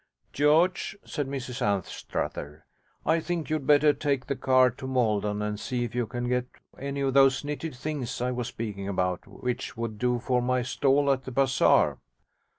'George,' said Mrs Anstruther, 'I think you had better take the car to Maldon and see if you can get any of those knitted things I was speaking about which would do for my stall at the bazaar.'